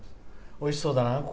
おいしそうだな。